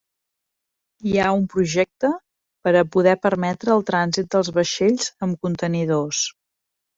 Hi ha un projecte per a poder permetre el trànsit dels vaixells amb contenidors.